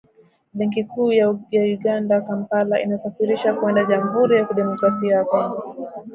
Benki Kuu ya Uganda Kampala inasafirisha kwenda jamhuri ya kidemokrasia ya Kongo